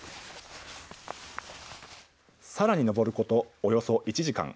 さらに登ることおよそ１時間。